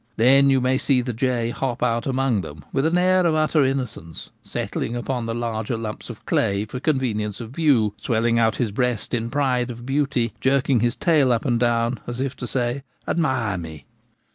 Then you may see the jay hop out among them with an air of utter innocence, settling on the larger lumps of clay for convenience of view, swelling The Murderous Crow. 127 out his breast in pride of beauty, jerking his tail up and down, as if to say, Admire me.